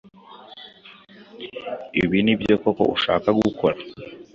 Ibi nibyo koko ushaka gukora?